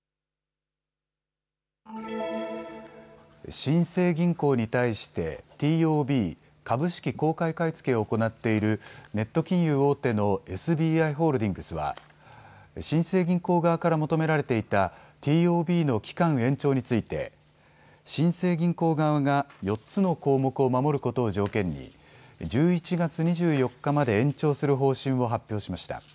新生銀行に対してＴＯＢ・株式公開買い付けを行っているネット金融大手のＳＢＩホールディングスは新生銀行側から求められていたＴＯＢの期間延長について新生銀行側が４つの項目を守ることを条件に１１月２４日まで延長する方針を発表しました。